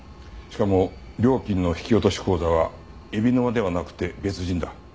しかも料金の引き落とし口座は海老沼ではなくて別人だ。